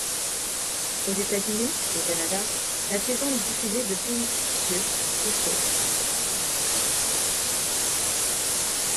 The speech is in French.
Aux États-Unis et Canada, la saison est diffusée depuis le sur History.